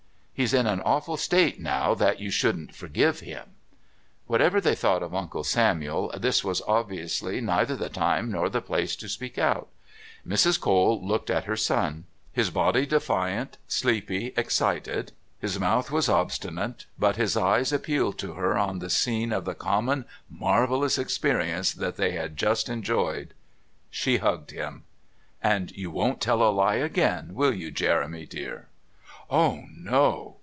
He's in an awful state now that you shouldn't forgive him." Whatever they thought of Uncle Samuel, this was obviously neither the time nor the place to speak out. Mrs. Cole looked at her son. His body defiant, sleepy, excited. His mouth was obstinate, but his eyes appealed to her on the scene of the common marvellous experience that they had just enjoyed. She hugged him. "And you won't tell a lie again, will you, Jeremy, dear?" "Oh, no!"